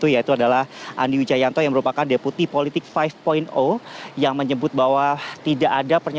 yaitu adalah andi wijayanto yang merupakan deputi politik lima yang menyebut bahwa tidak ada pernyataan